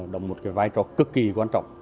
đồng một vai trò cực kỳ quan trọng